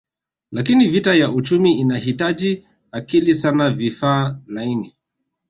Lakini vita ya uchumi inahitaji akili sana vifaa laini